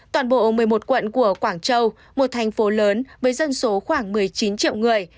toàn bộ một mươi một quận của quảng châu một thành phố lớn với dân số khoảng một mươi chín triệu người